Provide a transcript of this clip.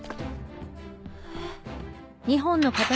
えっ。